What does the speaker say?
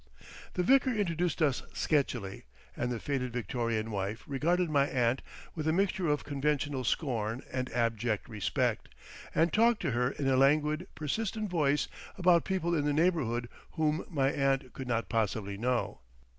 The vicar introduced us sketchily, and the faded Victorian wife regarded my aunt with a mixture of conventional scorn and abject respect, and talked to her in a languid, persistent voice about people in the neighbourhood whom my aunt could not possibly know.